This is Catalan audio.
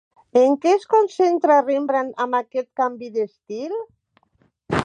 En què es concentra Rembrandt amb aquest canvi d'estil?